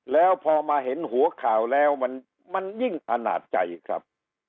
แล้วพอมาเห็นหัวข่าวแล้วมันยิ่งอนาจใจครับ